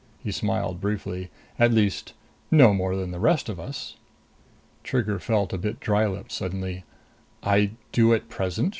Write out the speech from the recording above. He smiled briefly. "At least, no more than the rest of us." Trigger felt a bit dry lipped suddenly. "I do at present?"